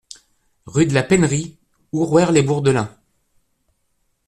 Rue de la Pennerie, Ourouer-les-Bourdelins